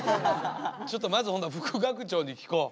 ちょっとまずほんだら副学長に聞こう。